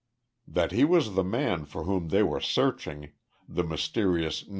That he was the man for whom they were searching the mysterious "No.